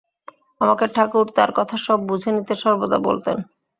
আমাকে ঠাকুর তাঁর কথা সব বুঝে নিতে সর্বদা বলতেন।